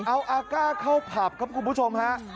เอาอากาศเข้าผับครับคุณผู้ชมฮะ